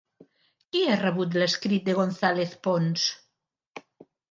Qui ha rebut l'escrit de González Pons?